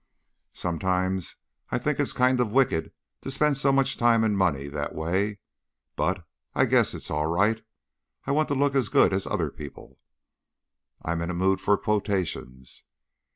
"Sometimes I think it's kind of wicked to spend so much time and money that way, but I guess it's all right. I want to look as good as other people." "I'm in a mood for quotations.